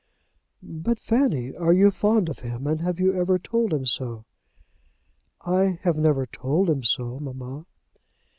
"But, Fanny, are you fond of him; and have you ever told him so?" "I have never told him so, mamma."